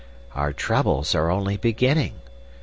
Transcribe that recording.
Our troubles are only beginning.